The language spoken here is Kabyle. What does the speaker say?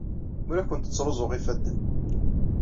Ur awent-ttruẓuɣ ifadden.